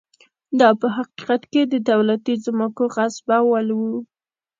دا په حقیقت کې د دولتي ځمکو غصبول و.